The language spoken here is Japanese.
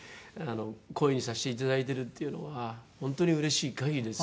懇意にさせていただいてるっていうのは本当にうれしい限りです。